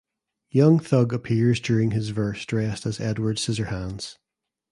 Young Thug appears during his verse dressed as "Edward Scissorhands".